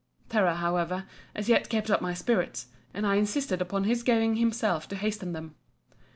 — Terror, however, as yet kept up my spirits; and I insisted upon his going himself to hasten them.